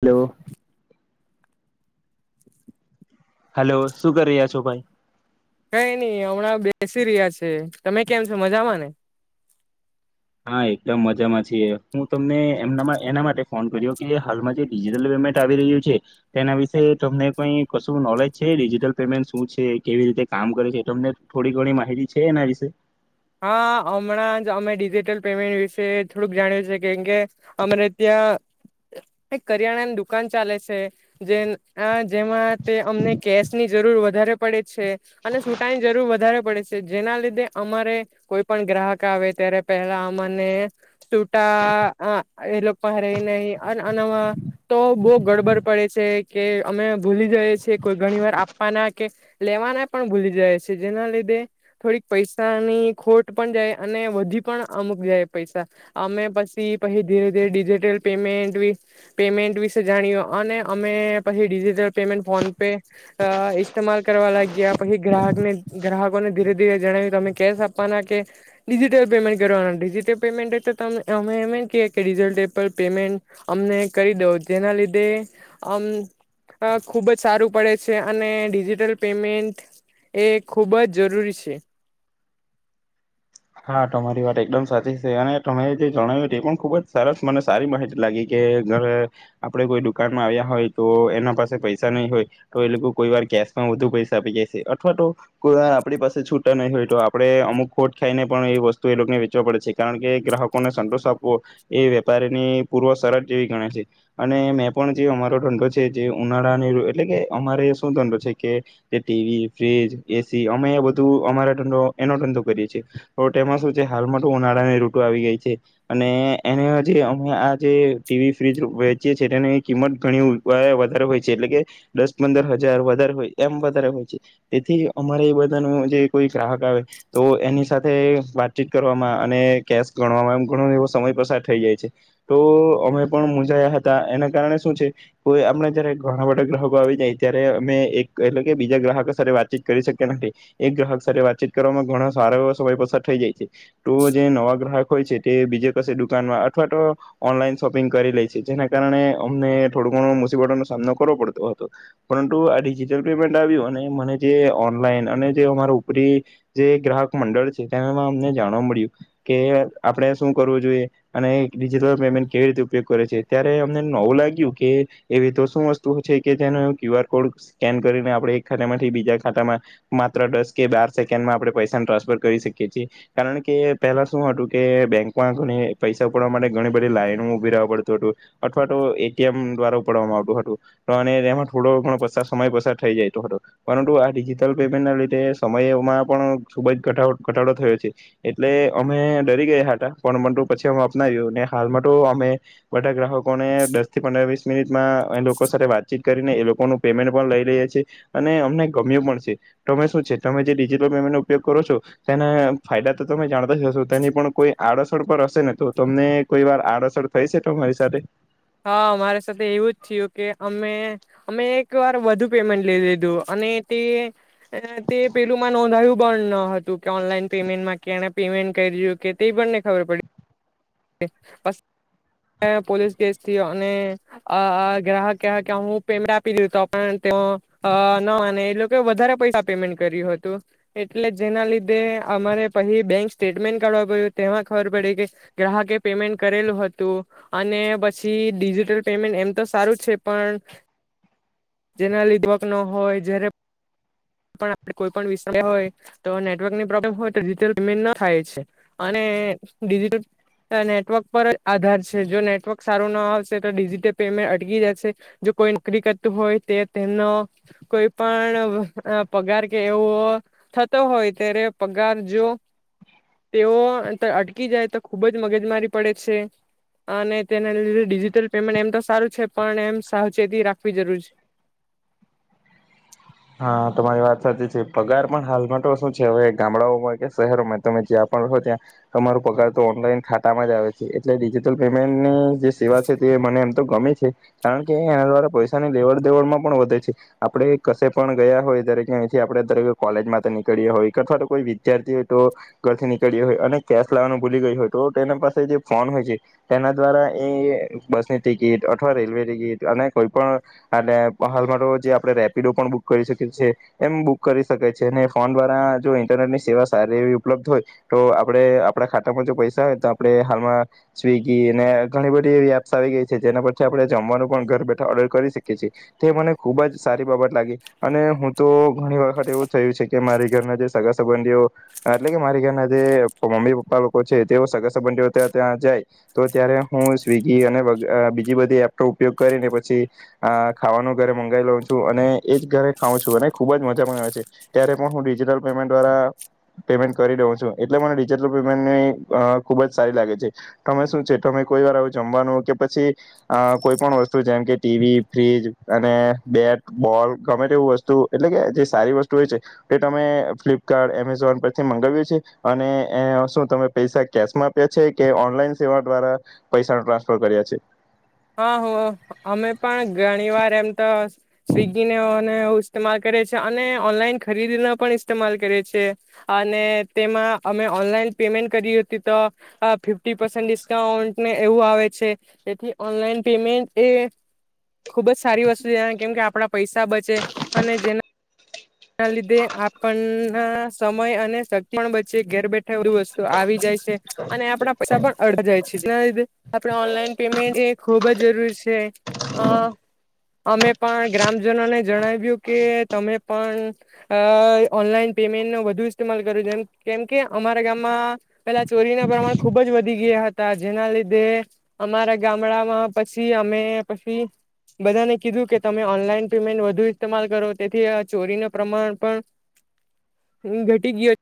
Hello. Hello શું કરી રહ્યા છો ભાઈ? કઈ નઈ હમણાં બેસી રહ્યા છે તમે કેમ છો મજામાં ને! હા એકદમ મજામાં છીએ હું તમને એમના એના માટે ફોન કર્યો કે હાલમાં જે ડિજિટલ પેમેન્ટ આવી રહ્યું છે. તે એના વિશે તમને કઈ કશું નોલેજ છે? ડિજિટલ પેમેન્ટ શું છે? કેવી રીતે કામ કરે છે? તમને થોડી ઘણી માહિતી છે એના વિશે! હા હમણાં જ અમે ડિજિટલ પેમેન્ટ વિશે થોડુંક જાણ્યું છે. કેમકે અમારે ત્યાં એક કરિયાણાની દુકાન ચાલે છે જે જેમાં તે અમને કેશ ની જરૂર વધારે પડે છે. અને છૂટાની જરૂર વધારે પડે છે. જેના લીધે અમારે કોઈ પણ ગ્રાહક આવે ત્યારે પેલા અને છૂટા એ લોકો પણ રહીને તો બહ ગડબડ પડે છે. કે અમે ભૂલી જઈ છેએ કોઈ ઘણી વાર આપવાના કે લેવાના પણ ભૂલી જાય. છેએ જેના લીધે થોડીક પૈસાની ખોટ પણ જાય અને વધી પણ અમુક જાય પૈસા અમે પછી પછી ધીરે ધીરે ડિજિટલ પેમેન્ટ પેમેન્ટ વિશે જાણ્યું અને અમે પછી ડિજિટલ પેમેન્ટ ફોન પે ઇસ્ટમાલ કરવા લાગ્યા પછી ગ્રાહકને ગ્રાહકોને ધીરે ધીરે જણાવ્યું અમે કેશ આપ કે ડિજિટલ પેમેન્ટ કરવાના ડિજિટલ પેમેન્ટ તો અમે એમ ક કે ડિજિ- પેમેન્ટ અમને કરી દઉ જેના લીધે આમ ખૂબ જ સારું પડે છે. અને ડિજિટલ પેમેન્ટ એ ખૂબ જ જરૂરી છે. હા તમારી વાત એકદમ સાચી છે. અને તમે જે જણાવ્યું તે એ પણ ખુબ જ સરસ મને સારી માહિતી લાગી કે આપણે કોઈ દુકાનમાં આવ્યા હોય તો એના પાસે પૈસા નહી હોય તો એ લોકો કોઈ વાર કેશમાં વધુ પૈસા આપી જાય છે. અથવા તો કોઈ આપણી પાસે છૂટા નહી હોય તો આપણે અમુક ખોટ ખાઈને પણ એ વસ્તુ એ લોકોને વેચવા પડે છે. કારણ કે ગ્રાહકોને સંતોષ આપવો એ વેપારીની પૂર્વ શરત જેવી ગણે છે. અને મેં પણ જે અમારો ધંધો છે જે ઉનાળાની એટલે કે અમારે શું ધંધો છે કે જે ટીવી, ફ્રીજ, એસી અમે એ બધું અમારા ધંધો એનો ધંધો કરીએ છીએ. હ ઉનાળાની રૂટો આવી ગઈ છે. અને એને જે અમે આ જે ટીવી, ફ્રીજ વેચીએ છેએ તેની કિંમત ઘણી વધારે હોય છે. એટલે કે દસ, પંદર હજાર વધારે હોય એમ વધારે હોય છે. તેથી અમારે એ બધા ન જે કોઈ ગ્રાહક આવે તો એની સાથે વાતચીત કરવામાં અને કેશ ગણવામાં એમ ઘણો એવો સમય પસાર થઈ જાય છે. તો અમે પણ મુંજાયા હતા એના કારણે શું છે કોઈ આપણે જયારે ઘણા બધા ગ્રાહકો આવી જાય ત્યારે અમે એક એટલે કે બીજા ગ્રાહકો સાથે વાતચીત કરી શક્યા નથી એક ગ્રાહક સાથે વાતચીત કરવામાં ઘણો સારો સમય પસાર થઈ જાય તો જે નવા ગ્રાહક હોય છે. તે બીજે કશે દુકાનમાં અથવા તો ઓનલાઈન શોપિંગ કરી લે છે, જેના કારણે અમને થોડો ઘણો મુસીબતોનો‌ સામનો કરવો પડતો હતો. ‌પરંતુ આ ડિજિટલ પેમેન્ટ આવ્યું અને મને જે ઓનલાઈન અને જે અમારા ઉપરી જે ગ્રાહક મંડળ તે અમને જાણવા મળ્યું કે આપણે શું કરવું જોઈએ અને ડિજિટલ પેમેન્ટ કેવી રીતે ઉપયોગ કરે છે. ત્યારે અમને નવું લાગ્યું કે એવી તો શું વસ્તુ છે કે જેનો ક્યુ આર કોડ સ્કેન કરીને આપણે એક ખાતા માંથી બીજા ખાતામાં માત્ર દસ કે બાર સેકન્ડમાં આપણે પૈસા ટ્રાન્સફર કરી શકીએ. તેથી, કારણ કે, પહેલા શું હતું કે બેંકમાં ઘણી પૈસા ઉપાડવા માટે ઘણી બધી લાઈનો ઉભી રવા પડતું હતું. અથવા તો, એટીએમ દ્વારા ઉપાડવામાં આવતું હતું. અને એમાં પણ વધાર સમય પસાર થઈ જતો હતો. પરંતુ આ ડિજિટલ પેમેન્ટ ના લીધે સમયમાં પણ ખૂબ જ ઘટાડો ઘટાડો થયો છે. એટલે અમે ડરી ગયા હતા, પણ મન તો પછી અમે અપનાવ્યુંને હાલમાં તો અમે બધા ગ્રાહકો, કોને દસ થી પંદર વીસ, મિનિટમાં એ લોકો સાથે વાતચીત કરીને એ લોકોનું પેમેન્ટ પણ લઈ રહ્યા છે. એ અને અમને ગમ્યું પણ છે. તમે શું છે તમે જે ડિજિટલ પેમેન્ટ નો ઉપયોગ કરો છો. તેના ફાયદા તો તમે જાણ ઉગતા સૂતા ની પણ કોઈ આડસ, પર હશે ને તો તમને કોઈ વાર આડઅસર થઈ છે તો અરી સાથે હા મારી સાથે એવું જ થયું કે અમે અમે એક વાર વધુ પેમેન્ટ લઈ લીધું અને તે તે પેલું માં નોંધાયું ન હતું કે ઓનલાઈન પેમેન્ટમાં કેને પેમેન્ટ કરી રહ્યું કે તે પણને ખબર પડી પોલીસ કેસ અને આ ગ્રાહક હું પેમેન્ટ આપી દીધ તો પણ તેઓ ન માને એ લોકો વધારે પૈસા પેમેન્ટ કર્યું હતું એટલે જેના લીધે અમારે પહી બેંક સ્ટેટમેન્ટ કાઢવા પડ્યું તેમાં ખબર પડી કે ગ્રાહકે પેમેન્ટ કરેલું હતું અને પછી ડિજિટલ પેમેન્ટ એમ તો સારું છે પણ જેના લીધવક ન હોય જ કોઈ પણ વિષય હોય તો નેટવર્કની પ્રોબ્લેમ હોય તોટલ પેમેન્ટ ન થાય છે અનેજલ નેટવર્ક પર જ આધાર છે જો નેટવર્ક સારું ના આવશે તો ડિજિટલ પેમેન્ટ અટકી જાયશે જો કોઈ નોકરી કરતું હોય તે તેમનો કોઈ પણ પગાર કે એવો થતો હોય ત્યારે પગાર જો તેઓ અટકી જાય તો ખુબ જ મગજ મારી પડે છે અને તેના લીધે ડિજિટલ પેમેન્ટ એમ તો સારું છે પણ એમ સાવચેતી રાખવી જરૂર છે. હા તમારી વાત સાચી છે પગાર પણ હાલમાં તો શું છે હવે ગામડાઓમાં કે શહેરોમાં તમે જ્યાં પણ રહો ત્યાં તમારોું પગાર તો ઓનલાઈન ખાતામાં જ આવે છે એટલે ડિજિટલ પેમેન્ટની જે સેવા છે તે મને એમ તો ગમે છે કારણ કે એના દ્વારા પૈસાની લેવડ દેવડમાં પણ વધે છે આપણેે કસે પણ ગયા હોય દરેકથી આપણે દરે કોલેજ માટે નીકળીએ હોય કે અથવા તો કોઈ વિદ્યાર્થી હોય તો ઘરથી નીકળએ હોય અને કેશ લાવવાનું ભૂલી ગઈ હોય તો તેના પાસે જે ફોન હોય છે તેના દ્વારા એ બસની ટિકિટ અથવા રેલવે ટિકિટ અને કોઈ પણ હાલમાં તો જે આપડ રેપિડો પણ બુક કરી શકી છી એમ બુક કરી શકે છે અને ફોન દ્વારા જો ઇન્ટરનેટ ની સેવા સારી એવી ઉપલબ્ધ હોય તો આપણે આપણા ખાતામાં જો પૈસા હોય તો આપણે હાલમાં સ્વીગી અને ઘણી બધી એવી એપ્સ આવી ગઈ છે જેના પરથી આપણે જમવાનું પણ ઘર બેઠા ઓર્ડર કરી શકીએ છીએ તો મને ખુબ જ સારી બાબત લાગી. અને હું તો ઘણી વખત એવું થયું છે કે મારી ઘરના જે સગા સંબંધીઓ એટલે કે મારી ઘરના જે મમ્મી પપ્પા લોકો છે તેઓ સગા સંબંધીઓ ત્યાં ત્યાં જાય તો ત્યારે હું સ્વિગી અને બીજી બધી એપનો ઉપયોગ કરીને પછી ખાવાનું ઘરે મંગાવી લઉ છું અને એ જ ઘરે ખાવં છું અને ખુબ જ મજા પણ આવે છે ત્યારે પણ હું ડિજિટલ પેમેન્ટ દ્વારા પેમેન્ટ કરી દઉં છું એટલે મને ડિજિટલ પેમેન્ટની ખુબ જ સારી લાગે છે તમે શું છે કોઈ વાર જમવાનું કે પછી અ કોઈ પણ વસ્તુ જેમ કે ટીવી ફ્રીજ અને બેટ બોલ ગમે વસ્તુ એટલે કે જે સારી વસ્તુ હોય છે તે તમે ફ્લિપકાર્ટ, એમેઝોન પરથી મંગાવ્યું છે, અને શું તમે પૈસા કેશમાં આપ્યા છે, કે ઓનલાઈન સેવા દ્વારા પૈસા ટ્રાન્સફર કર્યા છે. હા હો અમે પણ ઘણી વાર એમ તો સ્વિગીનેને એવ ઇતેમાલ કરે છે અને ઓનલાઈન ખરીદીનો પણ ઇસ્તેમાલ કરે છે, અને તેમાં અમે ઓનલાઈન પેમેન્ટ કરી હતી તો ફિફ્ટી પસે ડિસ્કાઉન્ટને એવું આવે છે એથી ઓનલાઈન પેમેન્ટ એ ખુબ જ સારી વસ્તુ છેના કેમકે આપણા પૈસા બચે અને જેના ના લીધે આપણના સમય અને શણ વચ્ચે ઘેર બેઠ વસ્તુ આવી જાય છે અને આપણા પૈસા પણ અડ જાય છે લ આપડણે ઓનલાઈન પેમેન્ટ એ ખુબ જ જરૂરી છે અ અમે પણ ગ્રામજનોને જણાવ્યું કે તમે પણ અ ઓનલાઈન પેમેન્ટ ન વધુ ઇસ્માલ કર્યું જેમ કેમ કે અમારા ગામમાં પેલા ચોરીના પ્રમાણ ખુબ જ વધી ગયા હતા જેના લીધે અમારા ગામડામાં પછી અમે પછી બધાને કીધું કે તમે ઓનલાઈન પેમેન્ટ વધુ ઇસ્તેમાલ કરો તેથી ચોરીનું પ્રમાણ પણ ઘટી ગય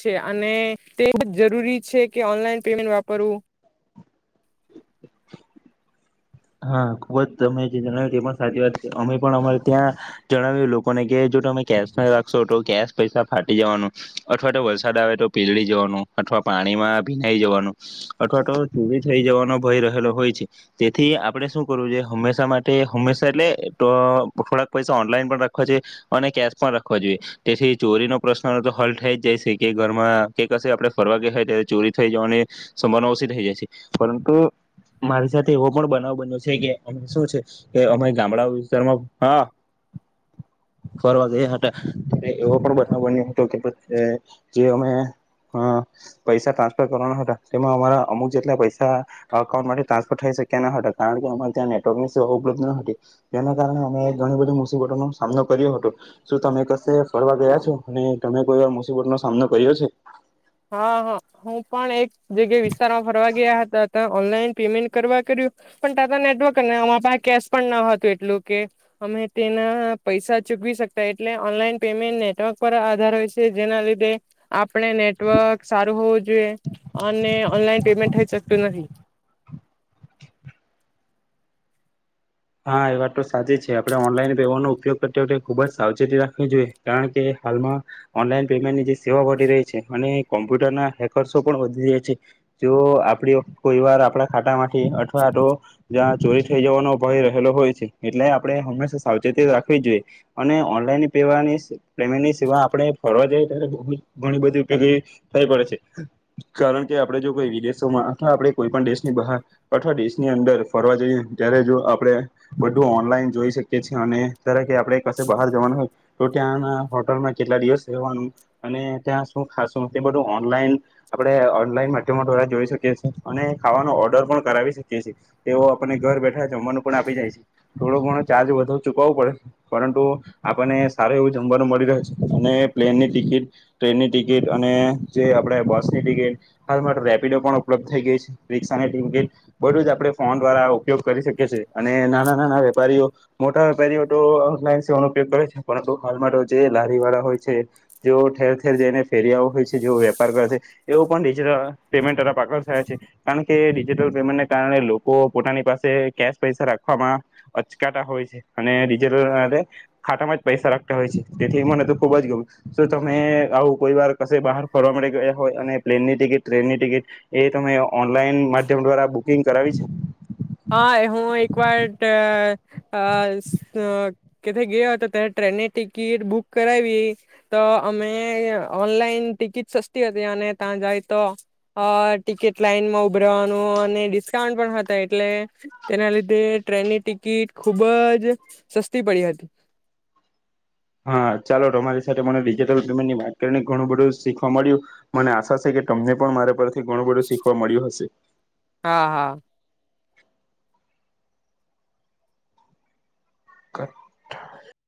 છે અને તે જરૂરી છે કે ઓનલાઈન પમેન્ટ વાપરવું હા ખુબ જ તમે જે જણાવ્યું તે પણ સાચી વાત અમે પણ અમારે ત્યાં જણાવ્યું લોકોને કે જો તમે કેશ ના રાખશો તો કેશ પૈસા ફાટી જવાનું અથવા તો વરસાદ આવે તો પીલળી જવાનું અથવા પાણીમાં ભીનાઈ જવાનું અથવા તો ચોરી થઈ જવાનો ભય રહેલો હોય છે થી આપણે શું કરવું જોઈએ હંમેશા માટે હંમેશા એટલે થોડાક પૈસા ઓનલાઈન પણ રાખવા જોઈએ અને કેશ પણ રાખવા જોઈએ તેથી ચોરીનો પ્રશ્ન તો હલ થઈ જાય છે કે ઘરમાં કે કશે આપણે ફરવા ગ ત્યારે ચોરી થઈ જ અને સંભાવના ઓછી થઈ જાય છે પરંતુ મારી સાથે એવો બનાવ બન્યો છે કે અ શું છે કે અમે ગામડા વિસ્તારમાં હા ફરવા ગયા હતા ત એવો પણ બનાવ બન્યો હતો કે જે અમેઅ પૈસા ટ્રાન્સફર કરવાના હતા તેમાં અમારા અમુક જેટલા પૈસા અકાઉન્ટ માટે ટ્રાન્સફર થઈ શકે ગયા ના હતા કારણ કે અમારે ત્યાં નેટવર્કની સેવા ઉપલબ્ધ ન હતી જેના કારણે અમે ઘણી બધી મુસીબતોનો સામનો કર્યો હતો શું તમે કશે ફરવા ગયા છો અને તમે કોઈ એવા મુસીબતનો સામનો કર્યો છે હા હા હું પણ એક જ વિસ્તારમાં ફરવા ગયા હતા ઓનલાઈન પેમેન્ટ કરવા કર્યું પણ તા નેટવર્ક અ પાસે કેશ પણ ન હતું એટલું કે અમે તેના પૈસા ચૂકવી શકતા એટલે ઓનલાઈન પેમેન્ટ નેટવર્ક પર આધાર હોય છે જેના લીધે આપણે નેટવર્ક સારું હોવું જોઈએ અને ઓનલાઈન પેમેન્ટ થઈ શકતું નથી હા એ વાત તો સાચી જ છે આપણે ઓનલાઈન પેમેન્ટનો ઉપયોગ કરતા ખુબ જ સાવચેતી રાખવી જોઈએ કારણ કે હાલમાં ઓનલાઈન પેમેન્ટની જે સેવા વધી રહી છે અને કોમ્પ્યુટરના હેકર્સો પણ વધી રહ્યા છે જો આપણી કોઈ વાર આપણા ખાતામાંથી અથવા તો જ્યાં ચોરી થઈ જવાનો રહેલો હોય છે એટલે આપણે હંમેશા સાવચેતી રાખવી જોઈએ અને ઓનલાઈન પેવાની પેમેન્ટની સેવા આપણે ફરવા જઈએ ત્યારે બ ઘણી બધી ઉપયોગી થઈ પડે છે કારણ કે આપણે જો કોઈ વિદેશોમાં અથવા આપણે કોઈ પણ દેશની બહાર અથવા દેશની અંદર ફરવા જઈએ ત્યારે જો આપણે બધું ઓનલાઈન જોઈ શકીએ છીએ અને જરા કે આપણે કશે બહાર જવાનું હોય તો ત્યાંના હોટલમાં કેટલા દિવસ રહેવાનું અને ત્યાં શું ખાશું એ બધું ઓનલાઈન આપણે ઓનલાઈન માધ્યમો દ્વારા જોઈ શકીએ છ છે અને ખાવાનો ઓર્ડર પણ કરાવી શકીએ છીએ તેઓ આપણે ઘર બેઠા જમવાનું પણ આપી જાય છે થોડો ઘણો ચાર્જ વધુ ચૂકવવો પડે પરંતુ આપણને સારું એવું જમવાનું મળી રહ્યો છે અને પ્લેનની ટિકિટ ટ્રેનની ટિકિટ અને જે આપણે બસની ટિકિટ હાલ માટે રેપિડો પણ ઉપલબ્ધ થઈ ગઈ છે રિક્ષાની ટિકિટ બધું જ આપણે ફોન દ્વારા ઉપયોગ કરી શકીએ છીએ અને નાના નાના વેપારીઓ મોટા વેપારીઓ તો ઓનલાઈન સેવાનો ઉપયોગ કરે છે પરંતુ હાલમાં તો જે લારી વાળા હોય છે જે ઠેર ઠેર જઈને ફેરિયાઓ હોય છે જેવ વેપાર કરે છે એવો પણ ડિજિટલ પેમેન્ટ તરફ આગળ થાય છે કારણ કે ડિજિટલ પેમેન્ટને કારણે લોકો પોતાની પાસે કેશ પૈસા રાખવામાં અચકાતા હોય છે અને રીઝલ ખાતામાં જ પૈસા રાખતા હોય છે તેથી મને તો ખુબ જ ગમે શ તમે આવું કોઈ વાર કશે બહાર ફરવા મળી ગયા હોય અને પ્લેન ની ટિકિટ ટ્રેન ની ટિકિટ એ તમે ઓનલાઈન માધ્યમ દ્વારા બુક બુકિંગ કરાવી છે હા એ હું એક વાર અ ક ગયો હતો ત ટ્રેનની ટિકિટ બુક કરાવી તો અમે ઓનલાઈન ટિકિટ સસ્તી હતી અને ત્યાં જાય તો ટિકિટ લાઈનમાં ઉભરવાનું અને ડિસ્કાઉન્ટ પણ હતા એટલે તેના લીધે ટ્રેનની ટિકિટ ખુબ જ સસ્તી પડી હતી હા ચાલો તમારી સાથે મને ડિજિટલ પેમેન્ટની વાત કરીને ઘણું બધું શીખવા મળ્યું મને આશા છે કે તમને પણ મારે પર ઘણું બધું શીખવા મળ્યું હશે હા હા. કઠ [unintelligible]